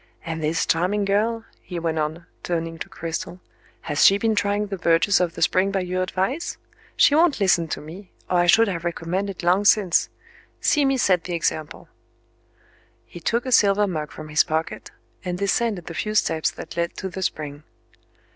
And this charming girl," he went on, turning to Cristel, "has she been trying the virtues of the spring by your advice? She won't listen to me, or I should have recommended it long since. See me set the example." He took a silver mug from his pocket, and descended the few steps that led to the spring.